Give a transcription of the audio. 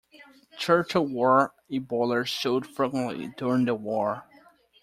Churchill wore a boiler suit frequently during the war